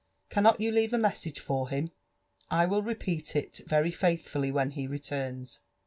Cannot you leave a message for him? I will repeat it very faithfully when he returns."